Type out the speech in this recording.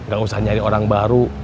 gak usah nyari orang baru